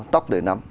tóc để nắm